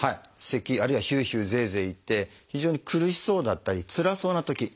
せきあるいはヒューヒューゼーゼーいって非常に苦しそうだったりつらそうなとき。